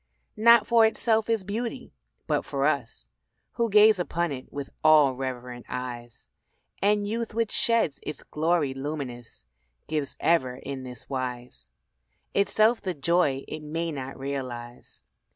Not for itself is beauty, but for us Who gaze upon it with all reverent eyes; And youth which sheds its glory luminous, Gives ever in this wise: Itself the joy it may not realise.